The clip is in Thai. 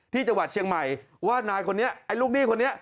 ที่จังหวัดเชียงใหม่ว่านายคนนี้ไอ้ลูกหนี้คนนี้